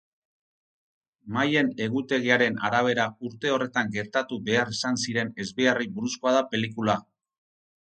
Maien egutegiagiaren arabera urte horretan gertatu behar izan ziren ezbeharrei buruzkoa da pelikula.